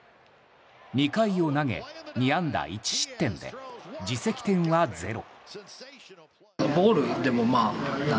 ２回を投げ２安打１失点で自責点はゼロ。